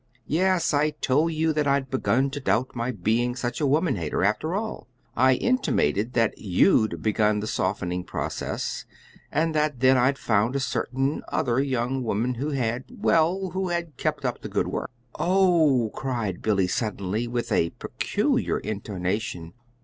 "Yes. I told you that I'd begun to doubt my being such a woman hater, after all. I intimated that YOU'D begun the softening process, and that then I'd found a certain other young woman who had well, who had kept up the good work." "Oh!" cried Billy suddenly, with a peculiar intonation.